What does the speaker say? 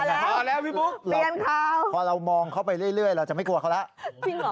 เอาแล้วพี่ปุ๊กหลอกพอเรามองเขาไปเรื่อยแล้วจะไม่กลัวเขาแล้ว